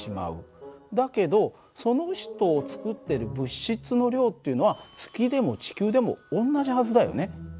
だけどその人を作っている物質の量っていうのは月でも地球でも同じはずだよね。